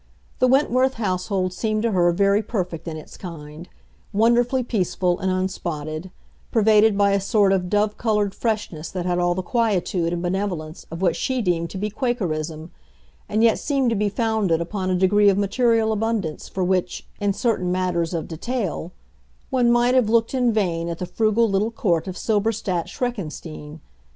The Wentworth household seemed to her very perfect in its kind—wonderfully peaceful and unspotted; pervaded by a sort of dove colored freshness that had all the quietude and benevolence of what she deemed to be Quakerism, and yet seemed to be founded upon a degree of material abundance for which, in certain matters of detail, one might have looked in vain at the frugal little court of Silberstadt Schreckenstein.